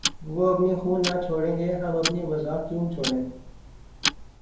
وہ اپنی خو نہ چھوڑیں گے‘ ہم اپنی وضع کیوں چھوڑیں!